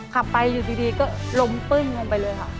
ขับไปอยู่ดีก็ล้มปึ้งลงไปเลยค่ะ